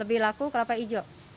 lebih laku kelapa hijau